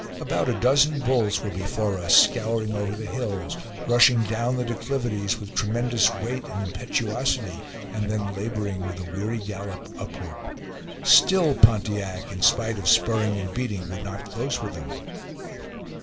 About a dozen bulls were before us, scouring over the hills, rushing down the declivities with tremendous weight and impetuosity, and then laboring with a weary gallop upward. Still Pontiac, in spite of spurring and beating, would not close with them.